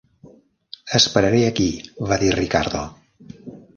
"Esperaré aquí", va dir Ricardo.